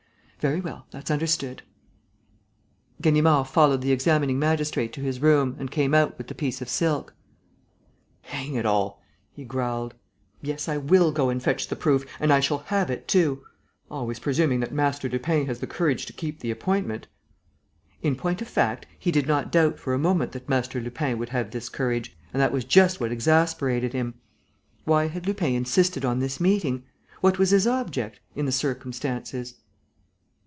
"Very well, that's understood." Ganimard followed the examining magistrate to his room and came out with the piece of silk: "Hang it all!" he growled. "Yes, I will go and fetch the proof and I shall have it too ... always presuming that Master Lupin has the courage to keep the appointment." In point of fact, he did not doubt for a moment that Master Lupin would have this courage, and that was just what exasperated him. Why had Lupin insisted on this meeting? What was his object, in the circumstances?